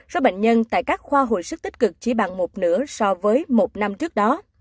số bệnh nhân tại các khoa hồi sức tích cực chỉ bằng một nửa so với một năm trước đó